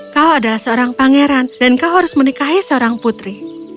kau adalah seorang pangeran dan kau harus menikahi seorang putri